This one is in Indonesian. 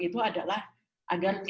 itu adalah agar